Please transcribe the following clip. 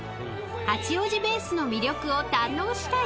［八王子ベースの魅力を堪能した一行］